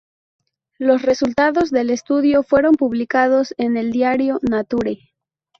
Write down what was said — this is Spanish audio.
Los resultados del estudio fueron publicados en el diario "Nature".